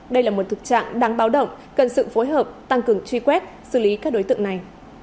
đây là một thực trạng đáng báo động cần sự phối hợp tăng cường truy quét xử lý các đối tượng này